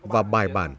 và bài bản